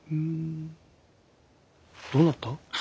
どうなった？